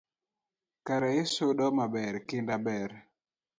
Kare isudo maber, kinda ber